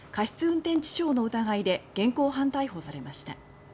運転致傷の疑いで現行犯逮捕されました。